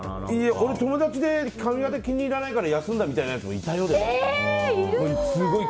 俺、友達で髪形気に入らないから休んだみたいなやつもいたよ。